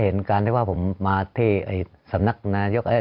เวลาวันนี้ที่ไปมาใช่มั้ยครับ